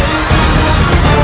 lihatlah aku pancar